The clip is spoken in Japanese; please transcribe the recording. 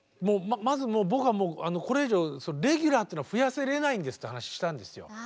まずもう僕はもうこれ以上レギュラーというのは増やせれないんですって話したんですよ。